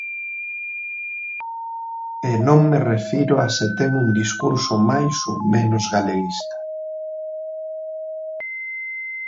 E non me refiro a se ten un discurso máis ou menos galeguista.